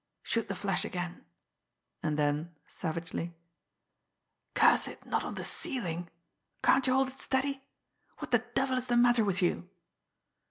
"Shoot the flash again!" And then, savagely: "Curse it, not on the ceiling! Can't you hold it steady! What the devil is the matter with you!"